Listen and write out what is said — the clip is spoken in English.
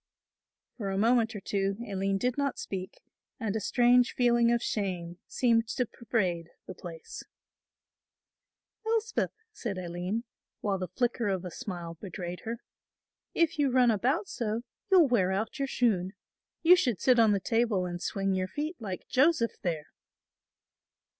For a moment or two Aline did not speak and a strange feeling of shame seemed to pervade the place. "Elspeth," said Aline, while the flicker of a smile betrayed her, "if you run about so, you'll wear out your shoon; you should sit on the table and swing your feet like Joseph there."